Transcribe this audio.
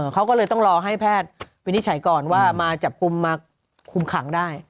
เขาก็เลยต้องรอให้แพทย์วินิจฉัยก่อนว่ามาจับกลุ่มมาคุมขังได้